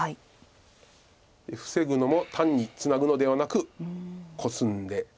防ぐのも単にツナぐのではなくコスんで。